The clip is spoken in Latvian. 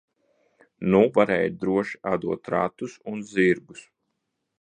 Nu varēja droši atdot ratus un zirgus.